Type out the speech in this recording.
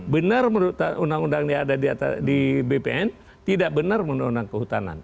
benar menurut undang undang yang ada di bpn tidak benar undang undang kehutanan